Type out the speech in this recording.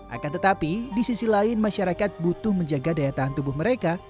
akan tetapi di sisi lain masyarakat butuh menjaga daya tahan tubuh mereka